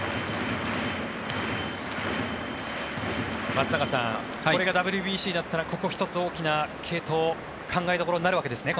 松坂さんこれがＷＢＣだったらここ１つ、大きな継投考えどころになるわけですね。